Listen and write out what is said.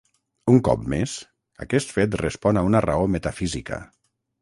Un cop més, aquest fet respon a una raó metafísica.